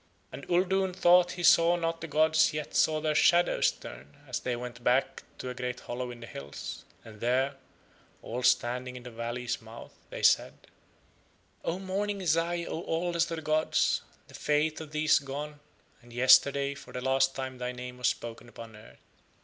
And Uldoon though he saw not the gods yet saw Their shadows turn as They went back to a great hollow in the hills; and there, all standing in the valley's mouth, They said: "Oh, Morning Zai, oh, oldest of the gods, the faith of thee is gone, and yesterday for the last time thy name was spoken upon earth."